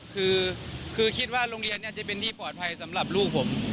คือคิดว่าโรงเรียนจะเป็นที่ปลอดภัยสำหรับลูกผม